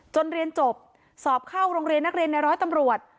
เรียนจบสอบเข้าโรงเรียนนักเรียนในร้อยตำรวจ